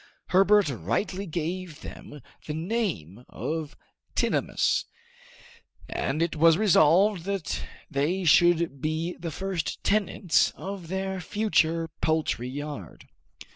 Herbert rightly gave them the name of tinamous, and it was resolved that they should be the first tenants of their future poultry yard.